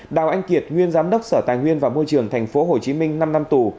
đào anh kiệt nguyên giám đốc sở tài nguyên và môi trường tp hcm năm năm tù